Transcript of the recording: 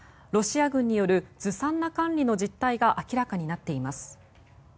ロシア軍によるずさんな管理の実態が明らかになっています。